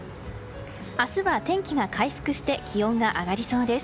明日は天気が回復して気温が上がりそうです。